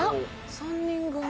３人組？